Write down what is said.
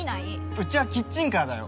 うちはキッチンカーだよ